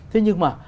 thế nhưng mà